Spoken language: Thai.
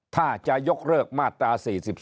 ถ้าจะยกเลิกมาตรา๔๒